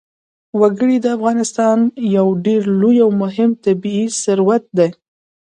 وګړي د افغانستان یو ډېر لوی او مهم طبعي ثروت دی.